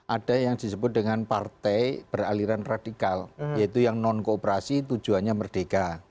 ada yang disebut dengan partai beraliran radikal yaitu yang non kooperasi tujuannya merdeka